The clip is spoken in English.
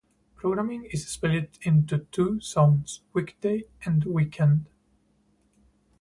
Programming is split into two zones - weekday and weekend.